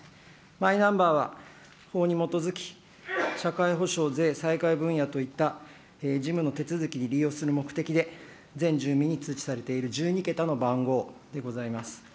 マイナンバーは、法に基づき社会保障、税、分野といった事務の手続きに利用する目的で、全住民に通知されている１２桁の番号でございます。